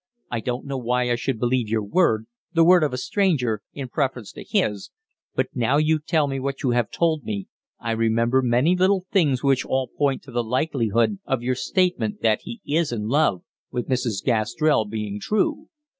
I don't know why I should believe your word, the word of a stranger, in preference to his, but now you tell me what you have told me I remember many little things which all point to the likelihood of your statement that he is in love with Mrs. Gastrell being true."